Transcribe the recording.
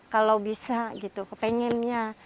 kalau bisa gitu kepengennya